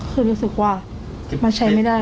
คือรู้สึกว่ามันใช้ไม่ได้